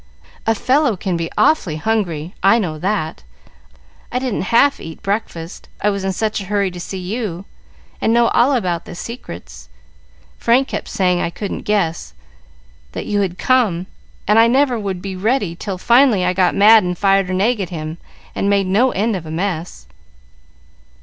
"A fellow can be awfully hungry, I know that. I didn't half eat breakfast, I was in such a hurry to see you, and know all about the secrets. Frank kept saying I couldn't guess, that you had come, and I never would be ready, till finally I got mad and fired an egg at him, and made no end of a mess."